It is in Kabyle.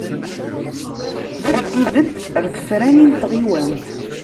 Ad d-ibedd ɣer tefranin n tɣiwant.